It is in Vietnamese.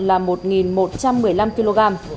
là một một trăm một mươi năm kg